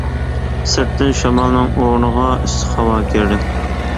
سىرتتىن شامالنىڭ ئورنىغا ئىسسىق ھاۋا كىردى.